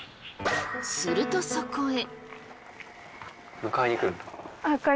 するとそこへ。